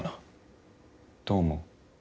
どう思う？